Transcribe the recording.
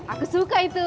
aku suka itu